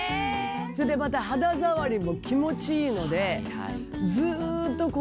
それでまた肌触りも気持ちいいので。